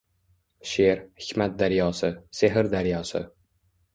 She’r — hikmat daryosi, sehr daryosi